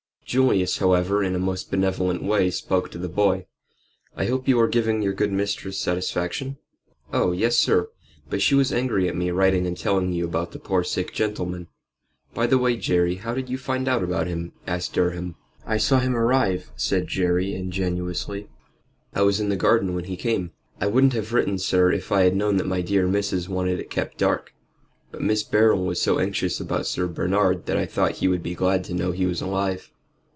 Julius, however, in a most benevolent way spoke to the boy "I hope you are giving your good mistress satisfaction?" "Oh yes, sir. But she was angry at me writing and telling you about the poor sick gentleman." "By the way, Jerry, how did you find out about him?" asked Durham. "I saw him arrive," said Jerry, ingenuously. "I was in the garden when he came. I wouldn't have written, sir, if I had known that my dear missus wanted it kept dark. But Mr. Beryl was so anxious about Sir Bernard that I thought he would be glad to know he was alive."